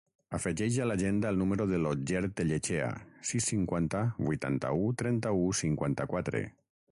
Afegeix a l'agenda el número de l'Otger Tellechea: sis, cinquanta, vuitanta-u, trenta-u, cinquanta-quatre.